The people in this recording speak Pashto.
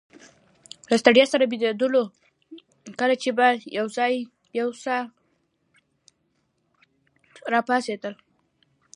له ستړیا سره بیدېدو، کله چي به یو راپاڅېد.